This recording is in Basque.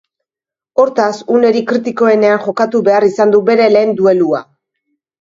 Hortaz, unerik kritikoenean jokatu behar izan du bere lehen duelua.